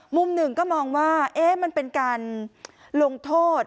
มุมหนึ่งก็มองว่ามันเป็นการลงโทษ